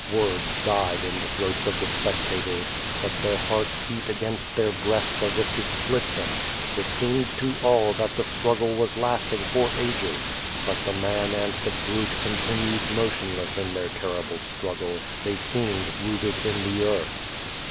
Words died in the throats of the spectators, but their hearts beat against their breasts as if to split them. It seemed to all that the struggle was lasting for ages. But the man and the brute continued motionless in their terrible struggle. They seemed rooted in the earth.